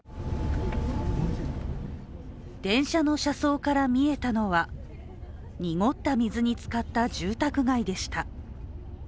電車の車窓から見えたのは濁った水につかった住宅街でした。